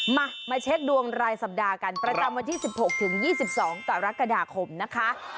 มามาเช็คดวงรายสัปดาห์กันประจำวันที่๑๖ถึง๒๒กรกฎาคมนะคะ